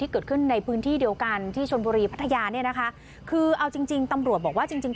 เกิดขึ้นในพื้นที่เดียวกันที่ชนบุรีพัทยาเนี่ยนะคะคือเอาจริงจริงตำรวจบอกว่าจริงจริง